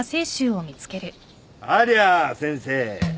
ありゃあ先生。